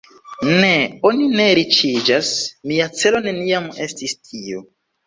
Ne, oni ne riĉiĝas … Mia celo neniam estis tio.